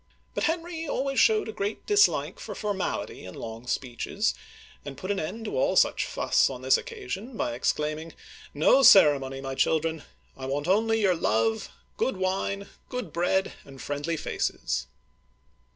But Henry always showed a great dislike for formality and long speeches, and put an end to all such fuss on this occasion by exclaiming :No ceremony, my children ! I want only your love, good wine, good bread, and friendly faces."